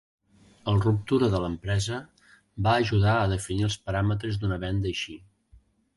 El ruptura de l'empresa va ajudar a definir els paràmetres d'una venda així.